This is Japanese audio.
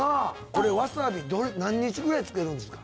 わさび何日ぐらい漬けるんですか